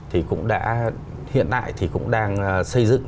hiện tại cũng đang xây dựng